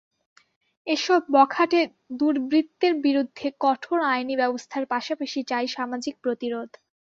এসব বখাটে দুর্বৃত্তের বিরুদ্ধে কঠোর আইনি ব্যবস্থার পাশাপাশি চাই সামাজিক প্রতিরোধ।